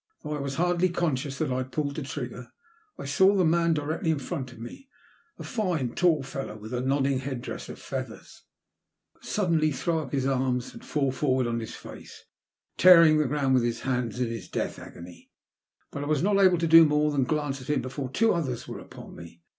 Though I was hardly conscious that I had pulled the trigger, I saw the man directly in front of me — a fine, tall fellow with a nodding head dress of feathers — suddenly throw up his arms and fall forward on his face, tearing at ^' A T£:KB1BLE SUBPBISC. 263 the ground with bis hands in his death agony. But I was not able to do more than glance at him before two others were upon me.